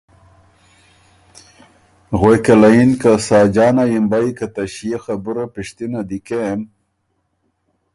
غوېکه له یِن که ساجانا یِمبئ که ته ݭيې خبُره پِشتِنه دی کېم،